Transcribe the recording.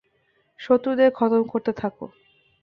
শত্রুদের খতম করতে থাক।